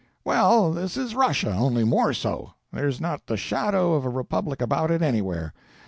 "Well, this is Russia—only more so. There's not the shadow of a republic about it anywhere.